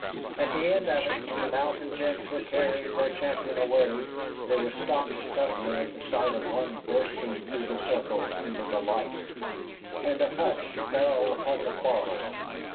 At the end of it, when the malcontents were carrying their champion away, they were stopped suddenly at the sight of one bursting through the circle into the light, and a hush fell upon the quarrel.